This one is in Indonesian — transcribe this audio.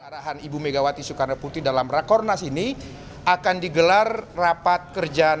arahan ibu megawati soekarnoputri dalam rakornas ini akan digelar rapat kerja